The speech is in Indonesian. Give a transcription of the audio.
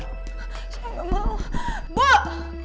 saya enggak mau